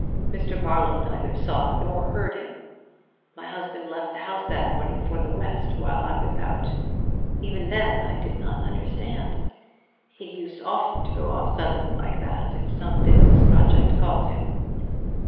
Mr. Marlowe neither saw nor heard him. My husband left the house that morning for the West while I was out. Even then I did not understand. He used often to go off suddenly like that, if some business project called him.